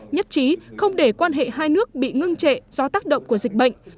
nhất trí không để quan hệ hai nước bị ngưng trệ do tác động của dịch bệnh